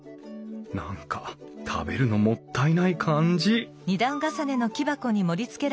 何か食べるのもったいない感じ